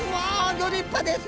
ギョ立派ですね。